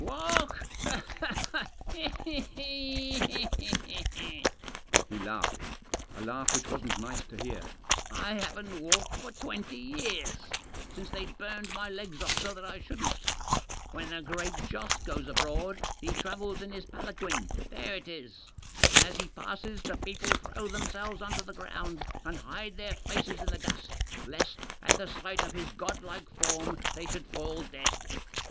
u Walk !" He laughed — a laugh which wasn't nice to hear. " I haven't walked for twenty years — since they burned my legs off so that I shouldn't. When the Great Joss goes abroad he travels in his palanquin — there it is. And as he passes the people throw themselves on to the ground and hide their faces in the dust, lest, at the sight of his godlike form, they should fall dead.